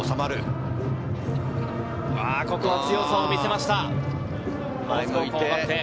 ここは強さを見せました。